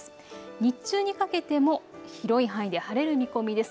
日中にかけても広い範囲で晴れる見込みです。